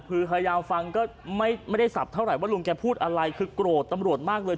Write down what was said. คือพยายามฟังก็ไม่ได้สับเท่าไหร่ว่าลุงแกพูดอะไรคือโกรธตำรวจมากเลย